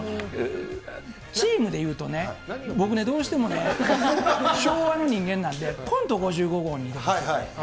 チームで言うとね、僕ね、どうしてもね、昭和の人間なんで、コント５５号に似てる。